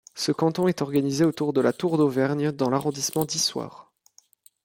Ce canton est organisé autour de La Tour-d'Auvergne dans l'arrondissement d'Issoire.